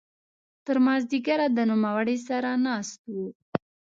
تر ماذیګره د نوموړي سره ناست وو.